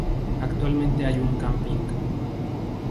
Actualmente hay un camping.